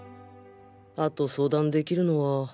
あと相談できるのは